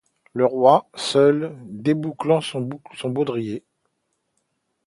Le Roi, seul, débouclant son baudrier.